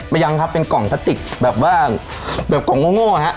ยังครับเป็นกล่องพลาสติกแบบว่าแบบกล่องโง่ฮะ